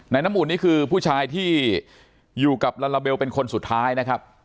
น้ำอุ่นนี่คือผู้ชายที่อยู่กับลาลาเบลเป็นคนสุดท้ายนะครับ